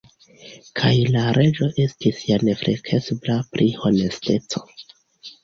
Kaj la Reĝo estis ja nefleksebla pri honesteco.